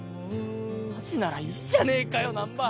マジならいいじゃねえかよ難破！